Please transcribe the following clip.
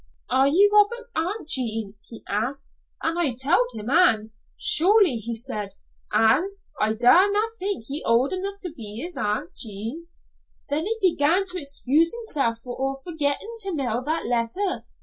"'Are ye Robert's Aunt Jean?' he asked, and I tell't him, an', 'Surely,' he said, 'an' I did na' think ye old enough to be his Aunt Jean.' Then he began to excuse himsel' for forgettin' to mail that letter.